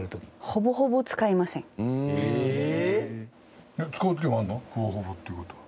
「ほぼほぼ」っていう事は。